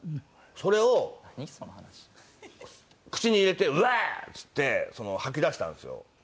それを口に入れて「うわ！」っつって吐き出したんですよ。